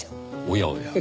おやおや。